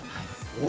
お！